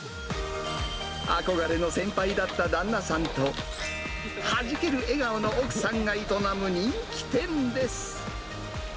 憧れの先輩だった旦那さんと、はじける笑顔の奥さんが営む人気店です。